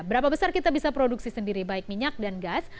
berapa besar kita bisa produksi sendiri baik minyak dan gas